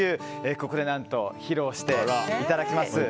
ここで披露していただきます。